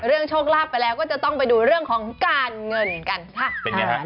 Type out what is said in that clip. เรื่องโชคลาภไปแล้วก็จะต้องไปดูเรื่องของการเงินกันค่ะ